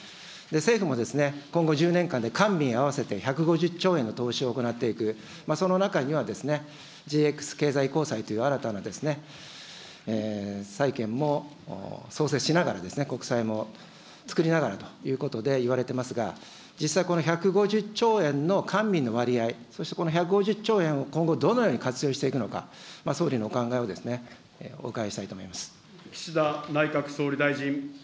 政府も今後１０年間で官民合わせて１５０兆円の投資を行っていく、その中にはＧＸ経済公債という新たなさいけんも創設しながら、国債もつくりながらということでいわれていますが、実際、この１５０兆円の官民の割合、そしてこの１５０兆円、今後どのように活用していくのか、総理のお考えをお伺いしたいと思います。